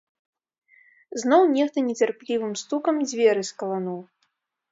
Зноў нехта нецярплівым стукам дзверы скалануў.